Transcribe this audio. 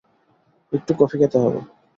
একটু কফি খেতে হবে।